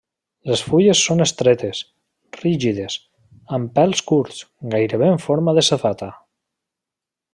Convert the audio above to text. Les fulles són estretes, rígides, amb pèls curts, gairebé en forma de safata.